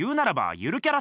ゆるキャラ？